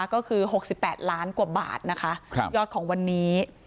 ก็คือ๖๘ล้านกว่าบาทนะคะยอดของวันนี้